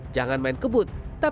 jangan main kebut